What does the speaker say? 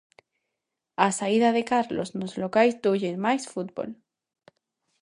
A saída de Carlos nos locais doulles máis fútbol.